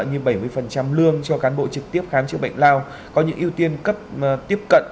như bảy mươi lương cho cán bộ trực tiếp khám chữa bệnh lao có những ưu tiên cấp tiếp cận